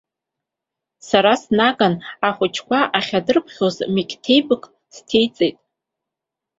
Сара снаган ахәыҷқәа ахьадырԥхьоз меқьҭебк сҭеиҵеит.